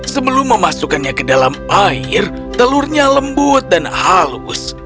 sebelum memasukkannya ke dalam air telurnya lembut dan halus